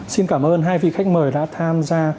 xin cảm ơn hai vị khách mời đã tham gia